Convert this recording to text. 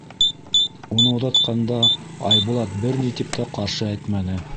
Уны оҙатҡанда Айбулат бер ни тип тә ҡаршы әйтмәне.